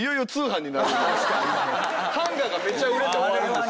ハンガーがめちゃ売れて終わるんです。